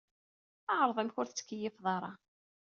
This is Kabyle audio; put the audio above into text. Ɛreḍ amek ur tettkeyyifeḍ ara.